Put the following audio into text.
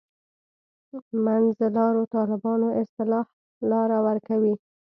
منځلارو طالبانو اصطلاح لاره ورکوي.